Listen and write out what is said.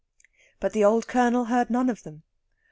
But the old Colonel heard none of them.